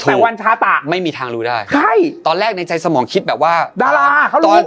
แต่วันชาตะไม่มีทางรู้ได้ใช่ตอนแรกในใจสมองคิดแบบว่าดาราเขาตอน